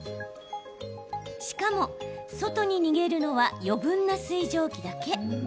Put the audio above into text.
しかも、外に逃げるのは余分な水蒸気だけ。